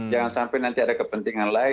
jangan sampai nanti ada kepentingan lain